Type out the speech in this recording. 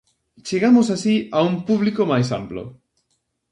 Chegamos así a un público máis amplo.